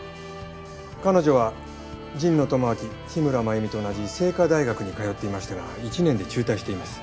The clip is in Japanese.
彼女は神野智明日村繭美と同じ聖花大学に通っていましたが１年で中退しています。